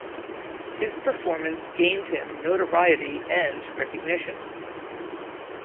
His performance gained him notoriety and recognition.